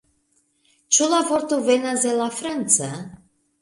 Ĉu la vorto venas el la franca?